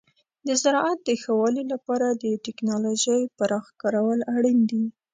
د زراعت د ښه والي لپاره د تکنالوژۍ پراخ کارول اړین دي.